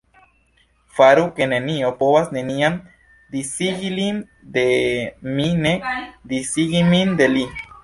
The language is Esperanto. Faru ke nenio povas neniam disigi lin de mi nek disigi min de li”.